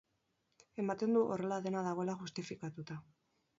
Ematen du horrela dena dagoela justifikatuta.